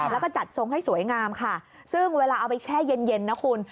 แล้วก็จัดทรงให้สวยงามค่ะซึ่งเวลาเอาไปแช่เย็นเย็นนะคุณ